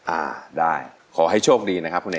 อ่าได้ขอให้โชคดีนะครับคุณเอ